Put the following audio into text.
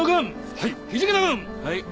はい。